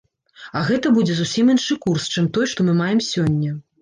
А гэта будзе зусім іншы курс, чым той, што мы маем сёння.